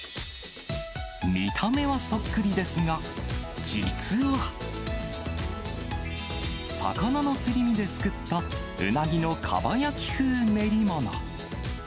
見た目はそっくりですが、実は、魚のすり身で作った、うなぎのかば焼き風練り物。